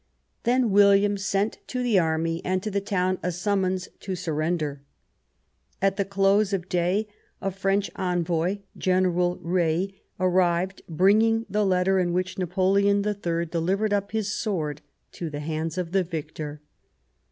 Then William sent to the army and to the town a summons to sur render. At the close of day a French envoy, General Reille, arrived, bringing the letter in which Na poleon III delivered up his sword to the hands of the victor.